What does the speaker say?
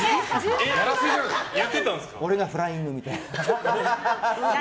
俺がフライングみたいな。